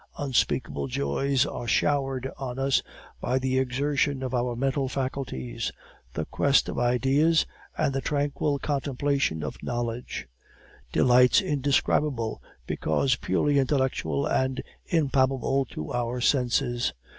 Unspeakable joys are showered on us by the exertion of our mental faculties; the quest of ideas, and the tranquil contemplation of knowledge; delights indescribable, because purely intellectual and impalpable to our senses.